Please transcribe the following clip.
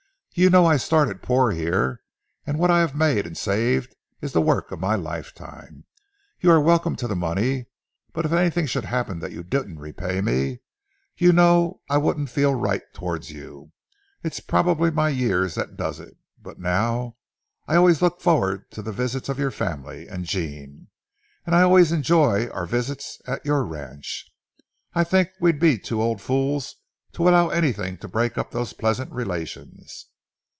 You know I started poor here, and what I have made and saved is the work of my lifetime. You are welcome to the money, but if anything should happen that you didn't repay me, you know I wouldn't feel right towards you. It's probably my years that does it, but—now, I always look forward to the visits of your family, and Jean and I always enjoy our visits at your ranch. I think we'd be two old fools to allow anything to break up those pleasant relations."